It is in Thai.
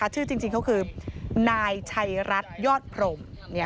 ชื่อจริงเขาคือนายชัยรัฐยอดพรม